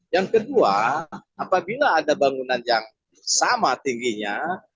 yang kedua apabila ada bangunan yang sama tingginya